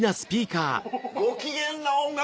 ご機嫌な音楽